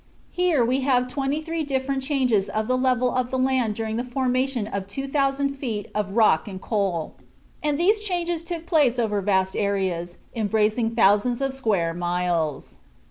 Here we have twenty three different changes of the level of the land during the formation of 2000 feet of rock and coal; and these changes took place over vast areas, embracing thousands of square miles.